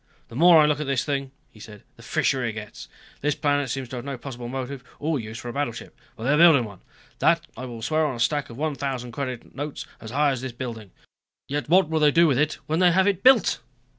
"The more I look at this thing," he said, "the fishier it gets. This planet seems to have no possible motive or use for a battleship. But they are building one that I will swear on a stack of one thousand credit notes as high as this building. Yet what will they do with it when they have it built?